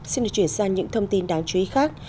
xin được chuyển sang những thông tin đáng chú ý khác